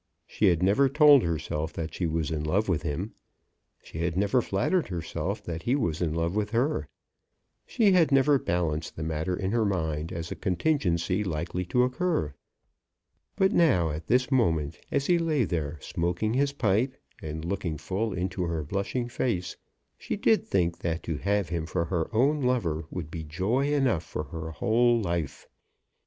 She had never told herself that she was in love with him; she had never flattered herself that he was in love with her; she had never balanced the matter in her mind as a contingency likely to occur; but now, at this moment, as he lay there smoking his pipe and looking full into her blushing face, she did think that to have him for her own lover would be joy enough for her whole life.